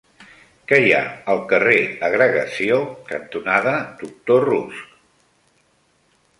Què hi ha al carrer Agregació cantonada Doctor Roux?